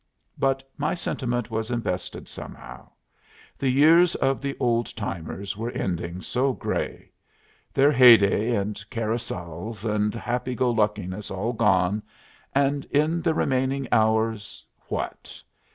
But my sentiment was invested somehow. The years of the old timers were ending so gray. Their heyday, and carousals, and happy go luckiness all gone, and in the remaining hours what?